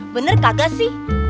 bener kagak sih